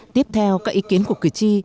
tiếp theo các ý kiến của cử tri